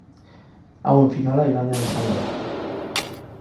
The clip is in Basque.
Hauen finala igandean izango da.